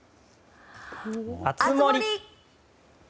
熱盛！